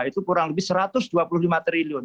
itu kurang lebih satu ratus dua puluh lima triliun